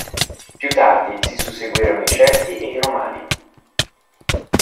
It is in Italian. Più tardi si susseguirono i Celti e i Romani.